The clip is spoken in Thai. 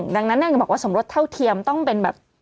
ดังนั้นก็บอกว่าสมรสเท่าเทียมต้องเป็นแบบ